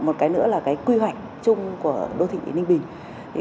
một cái nữa là quy hoạch chung của đô thị ninh bình